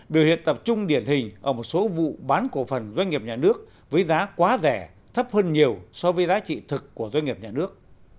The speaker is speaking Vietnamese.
biểu hiện tập trung điển hình ở một số vụ bán cổ phần doanh nghiệp nhà nước với giá quá rẻ thấp hơn nhiều so với giá trị thực của doanh nghiệp nhà nước